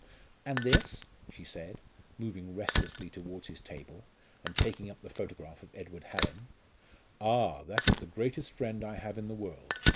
"And this?" she said, moving restlessly towards his table, and taking up the photograph of Edward Hallin. "Ah! that is the greatest friend I have in the world.